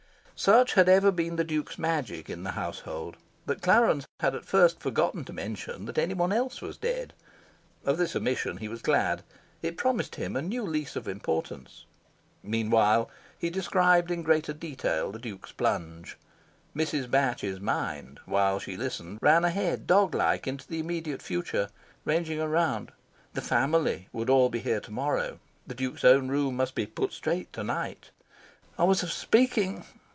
Such had ever been the Duke's magic in the household that Clarence had at first forgotten to mention that any one else was dead. Of this omission he was glad. It promised him a new lease of importance. Meanwhile, he described in greater detail the Duke's plunge. Mrs. Batch's mind, while she listened, ran ahead, dog like, into the immediate future, ranging around: "the family" would all be here to morrow, the Duke's own room must be "put straight" to night, "I was of speaking"...